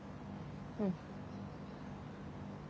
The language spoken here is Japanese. うん。